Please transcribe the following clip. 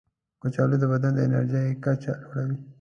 کچالو د بدن د انرژي کچه لوړوي.